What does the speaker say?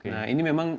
nah ini memang